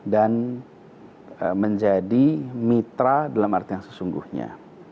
dan menjadi mitra dalam arti yang sesungguhnya